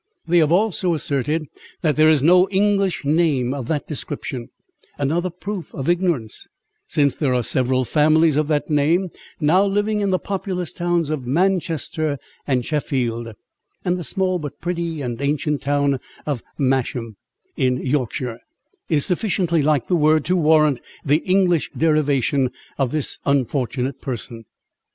They have also asserted, that there is no English name of that description; another proof of ignorance, since there are several families of that name now living in the populous towns of Manchester and Sheffield; and the small, but pretty and ancient town of Masham, in Yorkshire, is sufficiently like the word, to warrant the English derivation of this unfortunate person."